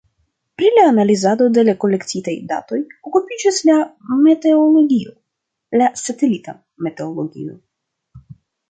Pri la analizado de la kolektitaj datoj okupiĝas la meteologio, la satelita meteologio.